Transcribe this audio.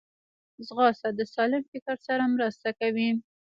ځغاسته د سالم فکر سره مرسته کوي